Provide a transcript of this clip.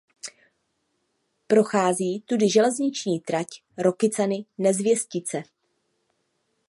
Prochází tudy železniční trať Rokycany–Nezvěstice.